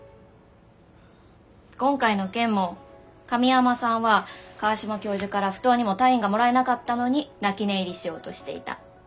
今回の件も神山さんは川島教授から不当にも単位がもらえなかったのに泣き寝入りしようとしていた。